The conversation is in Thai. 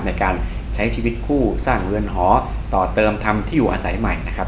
ในการใช้ชีวิตคู่สร้างเรือนหอต่อเติมทำที่อยู่อาศัยใหม่นะครับ